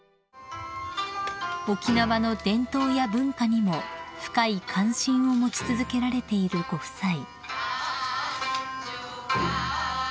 ［沖縄の伝統や文化にも深い関心を持ち続けられているご夫妻］